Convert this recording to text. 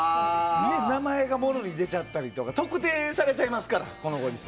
名前がもろに出ちゃったりとか特定されちゃいますからこのご時世。